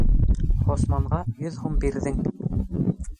Ғосманға йөҙ һум бирҙең.